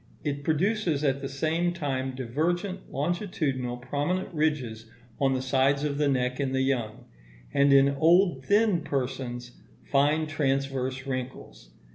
It produces at the same time divergent, longitudinal, prominent ridges on the sides of the neck in the young; and, in old thin persons, fine transverse wrinkles.